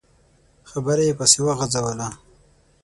خبره يې پسې وغځوله.